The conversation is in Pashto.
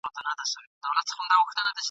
دجهان پر مخ ځليږي !.